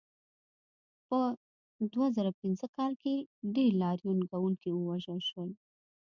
په دوه زره پنځه کال کې ډېر لاریون کوونکي ووژل شول.